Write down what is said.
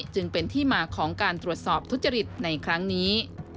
จึงเป็นที่มาของการตรวจสอบทุจริตในครั้งนี้